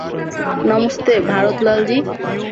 Namaste, Bharat Lalji.